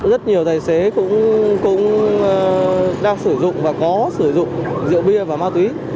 rất nhiều tài xế cũng đang sử dụng và có sử dụng rượu bia và ma túy